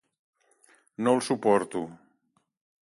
No el suporto.